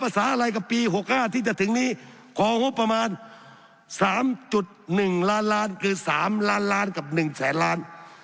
สามจุดหนึ่งล้านล้านคือสามล้านล้านกับหนึ่งแสนล้าน